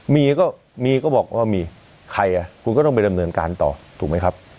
มีก็มีก็บอกว่ามีใครอ่ะคุณก็ต้องไปดำเนินการต่อถูกไหมครับ